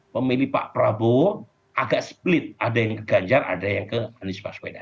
pemilih pak prabowo agak split ada yang ke ganjar ada yang ke anies baswedan